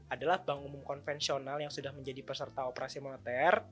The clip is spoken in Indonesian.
adalah bank umum konvensional yang sudah menjadi peserta operasi moneter